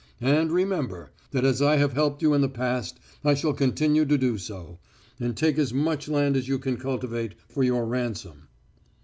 And, remember, that as I have helped you in the past I shall continue to do so. And take as much land as you can cultivate for your ransom."